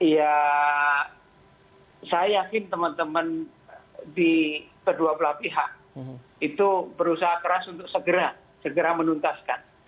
ya saya yakin teman teman di kedua belah pihak itu berusaha keras untuk segera menuntaskan